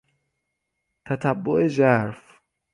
تتبع ژرف